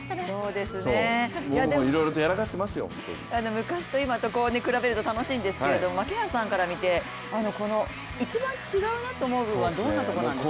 昔と今と比べると楽しいんですけれども、槙原さんから見てこの一番違うなと思う部分はどこなんですか？